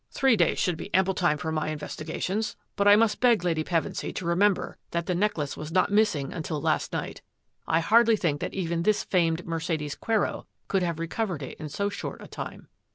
" Three days should be ample time for my investi gations. But I must beg Lady Pevensy to re member that the necklace was not missing until last night. I hardly think that even this famed Mercedes Quero could have recovered it in so short a time."